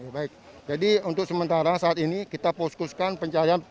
baik jadi untuk sementara saat ini kita fokuskan pencarian